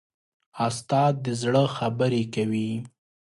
استاد د زړه خبرې کوي.